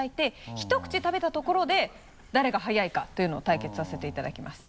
ひと口食べたところで誰が速いかというのを対決させていただきます。